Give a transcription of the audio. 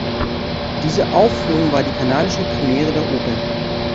Diese Aufführung war die kanadische Premiere der Oper.